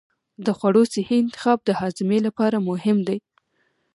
د خوړو صحي انتخاب د هاضمې لپاره مهم دی.